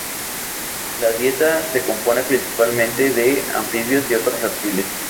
La dieta se compone principalmente de anfibios y otros reptiles.